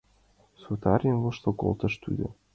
— Сотарен воштыл колтыш тудо.